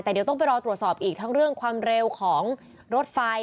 แต่เดี๋ยวต้องไปรอตรวจสอบอีกทั้งเรื่องความเร็วของรถไฟ